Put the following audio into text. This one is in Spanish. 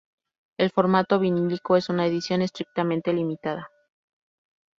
El formato vinilo es una edición estrictamente limitada.